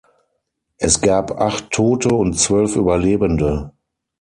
Es gab acht Tote und zwölf Überlebende.